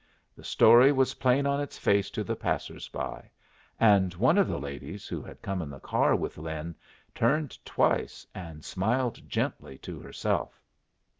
The story was plain on its face to the passers by; and one of the ladies who had come in the car with Lin turned twice, and smiled gently to herself.